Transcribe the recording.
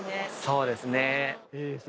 そうですね。